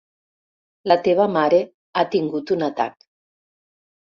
La teva mare ha tingut un atac.